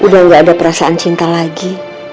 udah gak ada perasaan cinta lagi